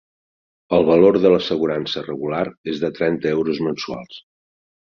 El valor de l'assegurança regular és de trenta euros mensuals.